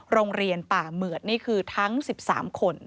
โรงเรียนป่าเหมือดนี่คือทั้ง๑๓คน